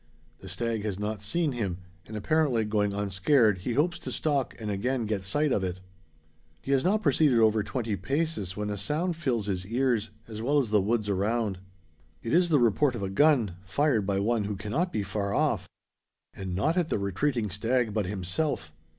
The stag has not seen him; and, apparently, going unscared, he hopes to stalk, and again get sight of it. He has not proceeded over twenty paces, when a sound fills his ears, as well as the woods around. It is the report of a gun, fired by one who cannot be far off. And not at the retreating stag, but himself!